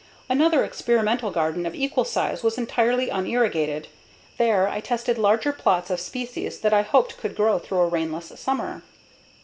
Another experimental garden of equal size was entirely unirrigated. There I tested larger plots of species that I hoped could grow through a rainless summer.